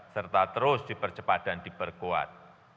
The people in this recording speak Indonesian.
serta terus dipercepat dan diperkuat